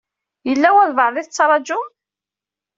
Yella walebɛaḍ i tettṛajum?